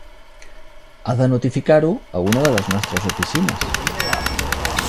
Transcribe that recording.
Ha de notificar-ho a una de les nostres oficines.